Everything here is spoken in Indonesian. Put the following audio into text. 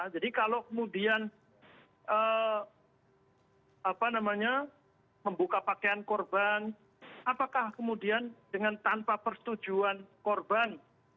jadi kalau kemudian apa namanya membuka pakaian korban apakah kemudian dengan tanpa persetujuan korban